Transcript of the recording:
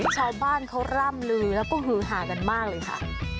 ชาวบ้านเขาร่ำลือแล้วก็หือหากันมากเลยค่ะ